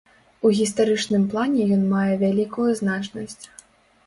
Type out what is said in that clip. У гістарычным плане ён мае вялікую значнасць.